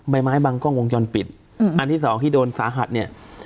ไม้บางกล้องวงจรปิดอืมอันที่สองที่โดนสาหัสเนี่ย